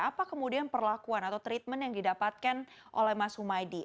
apa kemudian perlakuan atau treatment yang didapatkan oleh mas humaydi